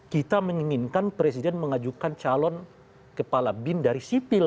kita menginginkan presiden mengajukan calon kepala bin dari sipil